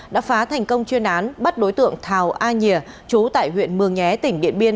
đã phá thành công chuyên án bắt đối tượng thảo a nhìa chú tại huyện mường nhé tỉnh điện biên